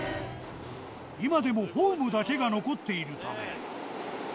今でもホームだけが残っているため。